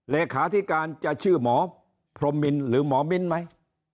เลขาธิการจะชื่อหมอพรมมินหรือหมอมิ้นไหม